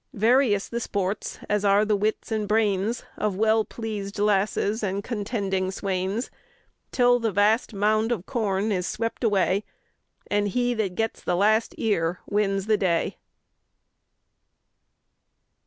Various the sports, as are the wits and brains Of well pleased lasses and contending swains; Till the vast mound of corn is swept away, And he that gets the last ear wins the day.